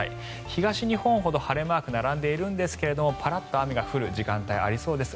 東日本ほど晴れマークが並んでいるんですがパラッと雨が降る時間帯ありそうです。